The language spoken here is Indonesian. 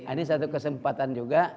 ini satu kesempatan juga